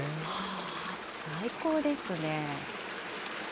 最高ですね。